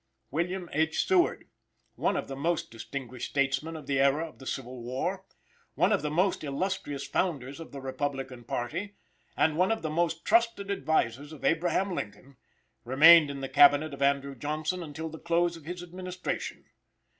William H. Seward, one of the most distinguished statesmen of the era of the civil war, one of the most illustrious founders of the republican party, and one of the most trusted advisers of Abraham Lincoln, remained in the Cabinet of Andrew Johnson until the close of his administration.